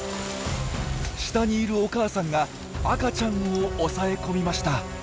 下にいるお母さんが赤ちゃんを押さえ込みました。